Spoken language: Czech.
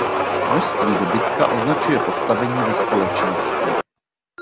Množství dobytka označuje postavení ve společnosti.